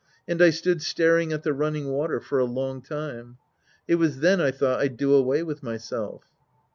And I stood staring at the running water for a long time. It was then I thought I'd do away with myself.